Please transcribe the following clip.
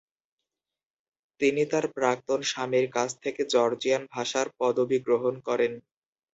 তিনি তার প্রাক্তন স্বামীর কাছ থেকে জর্জিয়ান ভাষার পদবী গ্রহণ করেন।